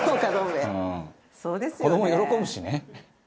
そうですよね。